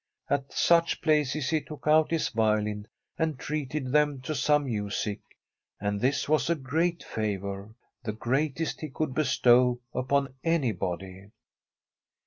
At such places he took out his violin and treated them to some music ; and this was a great favour — ^the greatest he could bestow upon anybody.